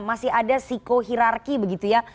masih ada psikohirarki begitu ya